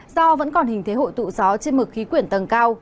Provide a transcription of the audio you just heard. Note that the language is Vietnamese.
do vẫn còn hình thế hội tụ gió trên mực khí quyển tầng cao